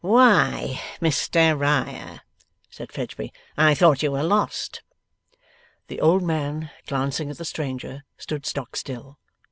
'Why, Mr Riah,' said Fledgeby, 'I thought you were lost!' The old man, glancing at the stranger, stood stock still.